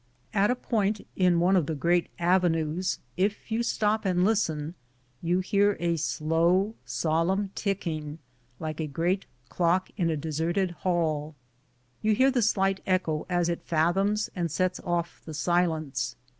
At a point in one of the great avenues, if you stop and listen, you hear a slow, solemn ticking like a great clock in a deserted hall; you hear the slight echo as it fathoms and sets off the silence.